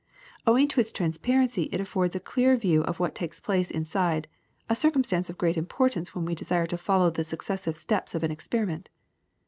Owing to its transparency it affords a clear view of what takes place inside, a circumstance of great impor tance when we desire to follow the successive steps of an experiment.